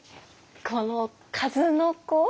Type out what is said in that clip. この「数の子」？